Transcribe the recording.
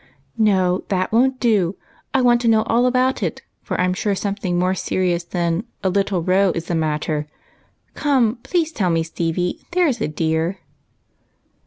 " No, that won't do ; I want to know all about it ; for I 'm sure something more serious than a ' little row ' is the matter. Come, please tell me, Stenie, there 's a dear."